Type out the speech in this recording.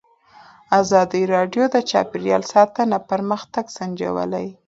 ازادي راډیو د چاپیریال ساتنه پرمختګ سنجولی.